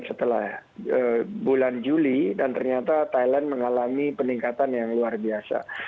setelah bulan juli dan ternyata thailand mengalami peningkatan yang luar biasa